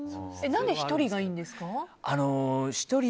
何で１人がいいんですかね？